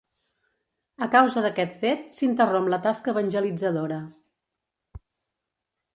A causa d'aquest fet s'interromp la tasca evangelitzadora.